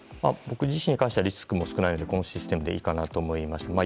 僕自身に関してはリスクも少ないしこのシステムでいいかなと思いました。